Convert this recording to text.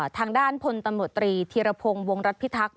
ทางด้านพลตำรวจตรีธีรพงศ์วงรัฐพิทักษ